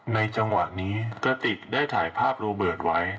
จังหวะนี้กระติกได้ถ่ายภาพโรเบิร์ตไว้